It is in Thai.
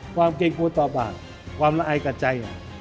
ความเกรงกูต่อบ้านความละอายกับใจ